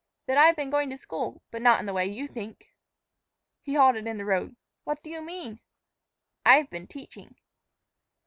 "That I've been going to school, but not in the way you think." He halted in the road. "What do you mean?" "I've been teaching."